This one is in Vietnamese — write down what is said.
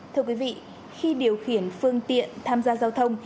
thưa quý vị khi điều khiển phương tiện tham gia giao thông